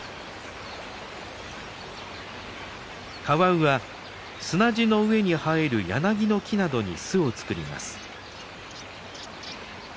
カワウは砂地の上に生えるヤナギの木などに巣を作ります。